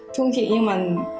thương chị nhưng mà